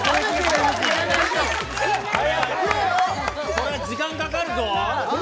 これは時間かかるぞ。